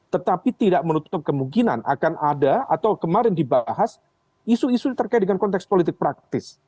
tetapi tidak menutup kemungkinan akan ada atau kemarin dibahas isu isu terkait dengan konteks politik praktis